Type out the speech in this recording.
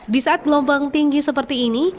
di saat gelombang tinggi seperti ini